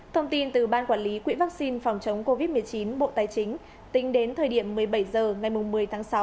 thông tin từ ban quản lý quỹ vaccine phòng chống covid một mươi chín bộ tài chính tính đến thời điểm một mươi bảy h ngày một mươi tháng sáu